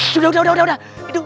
tidak sudah sudah sudah